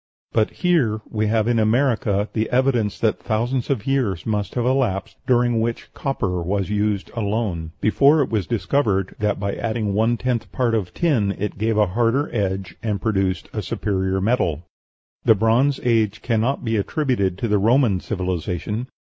But here we have in America the evidence that thousands of years must have elapsed during which copper was used alone, before it was discovered that by adding one tenth part of tin it gave a harder edge, and produced a superior metal. The Bronze Age cannot be attributed to the Roman civilization.